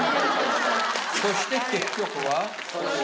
そして結局は。